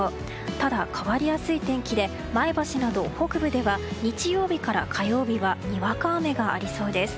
ただ変わりやすい天気で前橋など北部では日曜日から火曜日はにわか雨がありそうです。